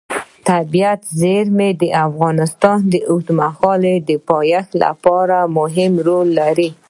طبیعي زیرمې د افغانستان د اوږدمهاله پایښت لپاره مهم رول لري.